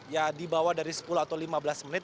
ya di bawah dari sepuluh atau lima belas menit